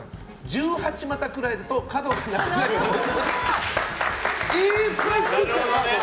１８股くらいだと角がなくなり丸くなる。